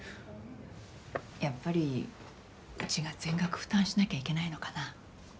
やっぱり、うちが全額負担しなきゃいけないのかな。